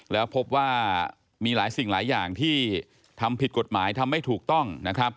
แล้วพบว่ามีหลายสิ่งหลายอย่างที่ทำผิดกฎหมายทำไม่ถูกต้องนะครับ